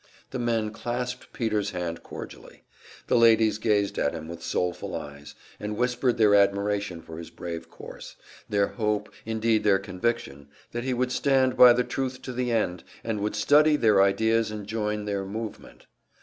The men clasped Peter's hand cordially; the ladies gazed at him with soulful eyes, and whispered their admiration for his brave course, their hope, indeed their conviction, that he would stand by the truth to the end, and would study their ideas and join their "movement."